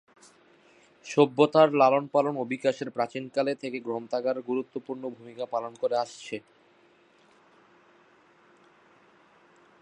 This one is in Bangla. সভ্যতার লালন-পালন ও বিকাশে প্রাচীনকাল থেকে গ্রন্থাগার গুরুত্বপূর্ণ ভূমিকা পালন করে আসছে।